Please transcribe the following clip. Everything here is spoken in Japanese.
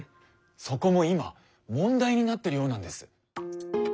そこも今問題になってるようなんです。